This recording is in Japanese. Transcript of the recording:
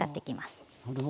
あなるほど。